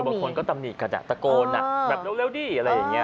บางคนก็ทำนีกระดะตะโกนอะแบบเร็วเร็วดีอะไรอย่างเงี้ย